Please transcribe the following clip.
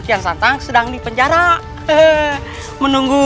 kita akan pulang ke pejajaran